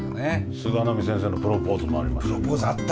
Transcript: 菅波先生のプロポーズもありました。